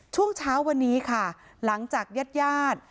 ช่วงเช้าวันนี้ค่ะหลังจากยัด